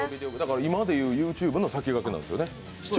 今で言うＹｏｕＴｕｂｅの先駆けなんですよね。